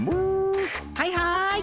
はいはい。